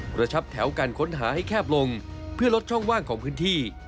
กระชับแถวการค้นหาให้แคบลงเพื่อลดช่องว่างของพื้นที่